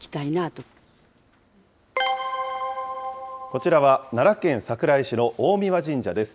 こちらは、奈良県桜井市の大神神社です。